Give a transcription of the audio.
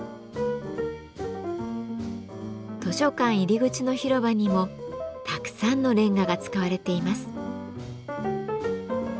図書館入り口の広場にもたくさんのレンガが使われています。